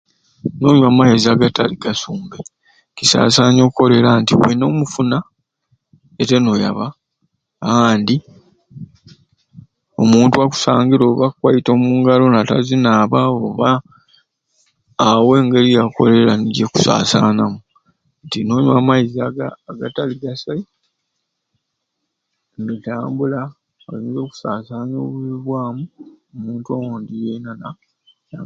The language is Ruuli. Nonywa amaizi agatali gasumbe kisaasanya o Kolera nti we n'omufuna yete n'oyaba andi omuntu akusangire oba akukwaite omungalo natazinaaba oba aw'engeri ya Kolera nigy'akusaasaanamu nti nonywa amaizi agatali gasai nibitambula oyinza okusaasanya obubbi bwamu omuntu owondi yeena na na